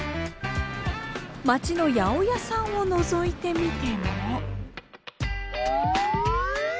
町の八百屋さんをのぞいてみても。